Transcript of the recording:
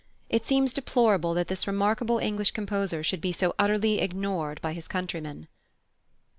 It seems deplorable that this remarkable English composer should be so utterly ignored by his countrymen.